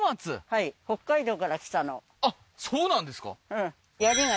はいあっそうなんですか